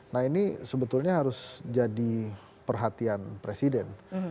nah ini sebetulnya harus jadi perhatian presiden